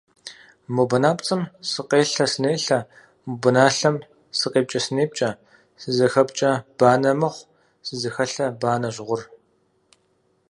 Мо банапцӏэм сыкъелъэ-сынелъэ, мо баналъэм сыкъепкӏэ-сынепкӏэ, сызыхэпкӏэ банэ мыгъу, сызыхэлъэ банэщ гъур.